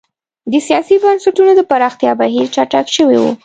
د سیاسي بنسټونو د پراختیا بهیر چټک شوی و.